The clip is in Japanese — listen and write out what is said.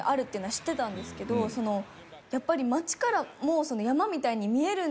やっぱり街からも。